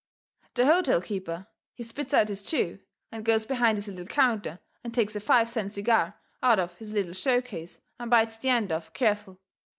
The hotel keeper, he spits out his chew, and goes behind his little counter and takes a five cent cigar out of his little show case and bites the end off careful.